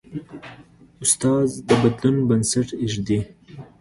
استاد د بدلون بنسټ ایږدي.